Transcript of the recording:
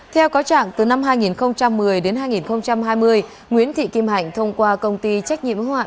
theo cáo trạng từ năm hai nghìn một mươi đến hai nghìn hai mươi nguyễn thị kim hạnh thông qua công ty trách nhiệm hoạn